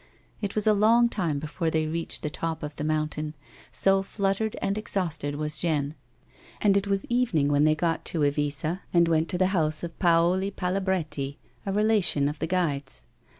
It was a long time before they reached the top of the mountain, so fluttered and exhausted was Jeanne, and it was evening when they got to Evisa, and went to the house of Paoli Palabretti, a relation of the guide's.